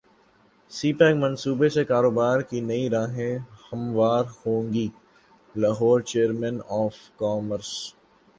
سی pack منصوبے سے کاروبار کی نئی راہیں ہموار ہوں گی لاہور چیمبر اف کامرس